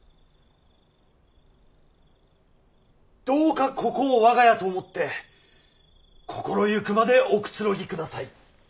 どうかここを我が家と思って心行くまでおくつろぎください。